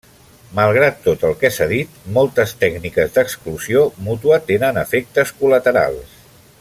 Malgrat tot el que s'ha dit, moltes tècniques d'exclusió mútua tenen efectes col·laterals.